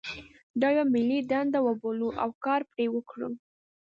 دا یوه ملي دنده وبولو او کار پرې وکړو.